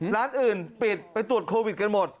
ร้านอื่นปิดไปตรวจโควิดกันหมด